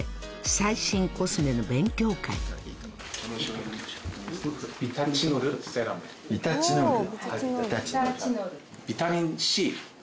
最新コスメの勉強会ビタチノール。